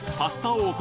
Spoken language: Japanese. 王国